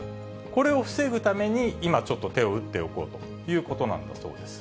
これを防ぐために、今、ちょっと手を打っておこうということなんだそうです。